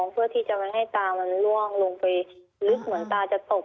เพื่อที่จะไม่ให้ตามันล่วงลงไปลึกเหมือนตาจะตก